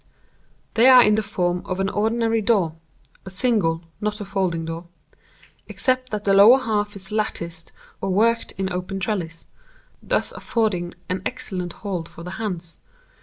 They are in the form of an ordinary door (a single, not a folding door), except that the lower half is latticed or worked in open trellis—thus affording an excellent hold for the hands.